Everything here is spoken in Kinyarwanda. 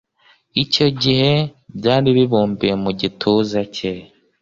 icyo gihe byari bibumbiye mu gituza cye.